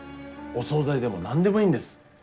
お総菜でも何でもいいんです。